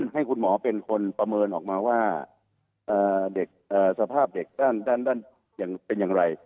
ให้คุณหมอเป็นคนประเมินออกมาว่าเด็กสภาพเด็กด้านเป็นอย่างไร